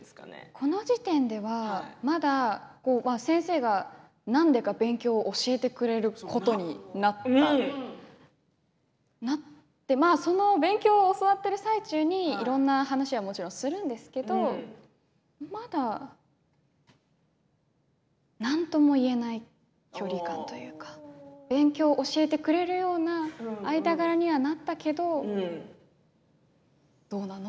この時点ではまだ先生がなんでか勉強を教えてくれることになったその勉強を教わっている最中にいろんな話はもちろんするんですけど、まだなんともいえない距離感というか勉強を教えてくれるような間柄にはなったけどどうなの？